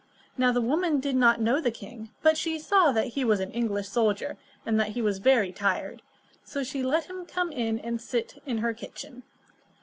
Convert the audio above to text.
Now the woman did not know the king, but she saw that he was an English soldier, and that he was very tired, so she let him come in and sit in her kitchen.